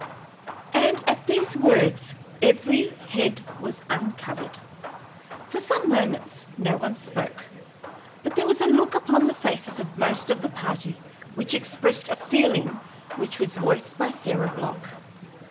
And at these words every head was uncovered. For some moments no one spoke; but there was a look upon the faces of most of the party which expressed a feeling which was voiced by Sarah Block.